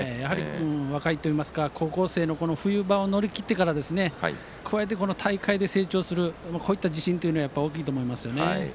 若いといいますか高校生の冬場を乗り切ってからの大会で成長する、こういった自信というのは大きいと思いますね。